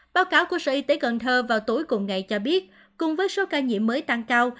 báo cáo của sở y tế cần thơ vào tối cùng ngày cho biết cùng với số ca nhiễm mới tăng cao